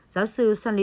giáo sư sanlin